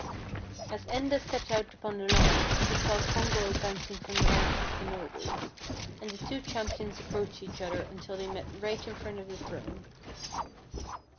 As Enda stepped out upon the lawn, he saw Congal advancing from the ranks of the nobles, and the two champions approached each other until they met right in front of the throne.